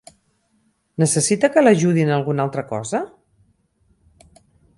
Necessita que l'ajudi en alguna altra cosa?